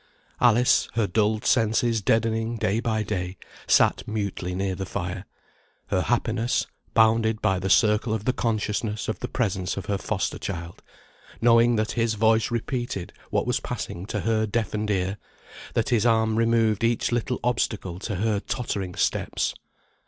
Alice, her dulled senses deadening day by day, sat mutely near the fire; her happiness, bounded by the circle of the consciousness of the presence of her foster child, knowing that his voice repeated what was passing to her deafened ear, that his arm removed each little obstacle to her tottering steps.